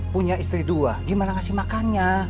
punya istri dua gimana ngasih makannya